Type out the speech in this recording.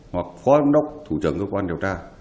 hoặc phó giám đốc thủ trưởng cơ quan điều tra